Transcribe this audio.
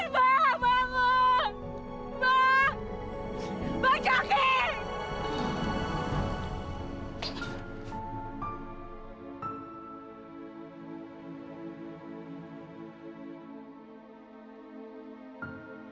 bang udah gua bilang jangan dimakan